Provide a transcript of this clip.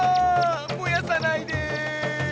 もやさないで！